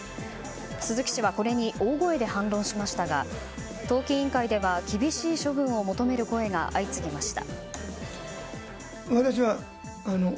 鈴木氏はこれに大声で反論しましたが党紀委員会では厳しい処分を求める声が相次ぎました。